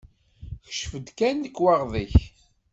Kcef-d kan lekwaɣeḍ-ik.